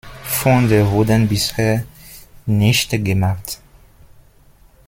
Funde wurden bisher nicht gemacht.